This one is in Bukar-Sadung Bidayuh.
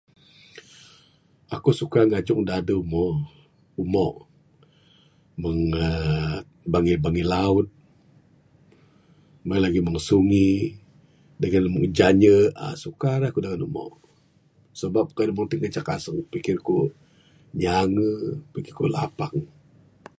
Aku suka ngajung da adeh umo, umo meng uhh bangih bangih laut, meng en lagih meng sungi dangan meng janye suka raye ku dangan umo sabab kayuh da meng ti ngancak aseng pikir ku nyange pikir ku lapang.